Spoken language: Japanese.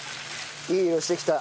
いい色してきた。